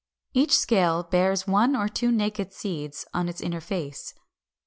Each scale bears one or two naked seeds on its inner face.